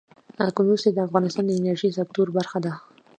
کندز سیند د افغانستان د انرژۍ سکتور برخه ده.